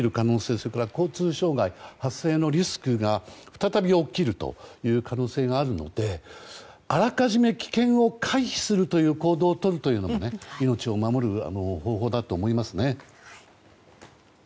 それから交通障害の発生のリスクが再び起きるという可能性があるのであらかじめ危険を回避するという行動をとるというのが命を守る方法だと思います。